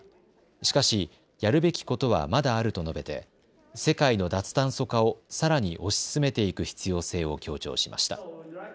しかしやるべきことはまだあると述べて世界の脱炭素化をさらに推し進めていく必要性を強調しました。